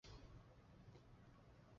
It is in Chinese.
毕业于中国海洋大学物理海洋专业。